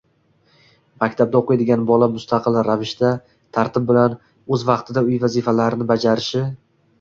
Maktabda o‘qiydigan bolasi mustaqil ravishda, tartib bilan, o‘z vaqtida uy vazifalarini bajarishi